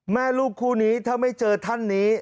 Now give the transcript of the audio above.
แม่ลูกคู่นี้ถ้าไม่เจอท่านนี้